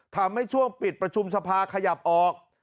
ทำให้ช่วงปิดประชุมสภาขยับออก